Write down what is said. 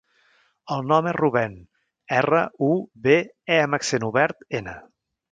El nom és Rubèn: erra, u, be, e amb accent obert, ena.